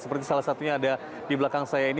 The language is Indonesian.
seperti salah satunya ada di belakang saya ini